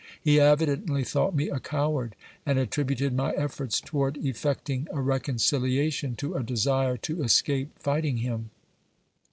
He evidently thought me a coward and attributed my efforts toward effecting a reconciliation to a desire to escape fighting him."